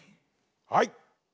はい！